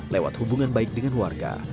lewat hubungan baik dengan warga